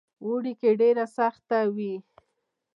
اوړي کې ډېره سخته وي.